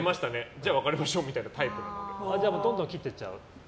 じゃあ別れましょうみたいなどんどん切っていっちゃう？